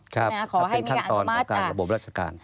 ขอให้เป็นขั้นตอนของการระบบราชการ